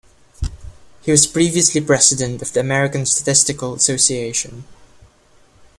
He was previously president of the American Statistical Association.